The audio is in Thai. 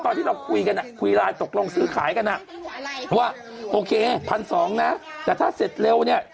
ตอนที่เราคุยกันอ่ะคุยไลน์ตกลงซื้อขายกันอ่ะเพราะว่าโอเค๑๒๐๐นะแต่ถ้าเสร็จเร็วเนี่ย